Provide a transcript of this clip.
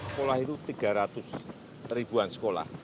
sekolah itu tiga ratus ribuan sekolah